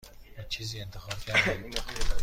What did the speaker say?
هیچ چیزی انتخاب کردید؟